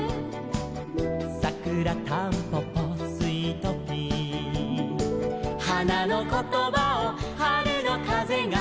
「さくらたんぽぽスイトピー」「花のことばを春のかぜが」